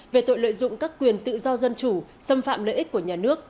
về tội lợi dụng các quyền tự do dân chủ xâm phạm lợi ích của nhà nước